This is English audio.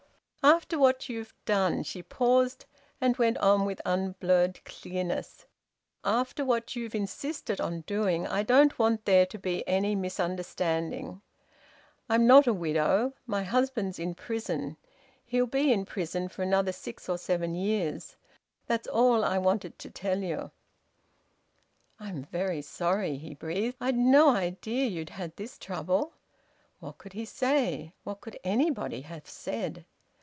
"After what you've done" she paused, and went on with unblurred clearness "after what you've insisted on doing, I don't want there to be any misunderstanding. I'm not a widow. My husband's in prison. He'll be in prison for another six or seven years. That's all I wanted to tell you." "I'm very sorry," he breathed. "I'd no idea you'd had this trouble." What could he say? What could anybody have said?